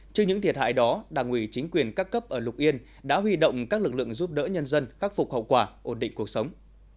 trước những thiệt hại đó đảng ủy chính quyền các cấp ở lục yên đã huy động các lực lượng giúp đỡ nhân dân khắc phục hậu quả ổn định cuộc sống